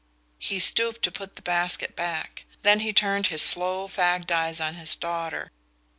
He stooped to put the basket back; then he turned his slow fagged eyes on his daughter.